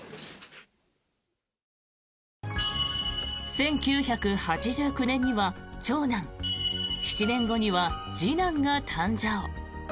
１９８９年には長男７年後には次男が誕生。